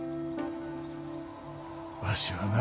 わしはな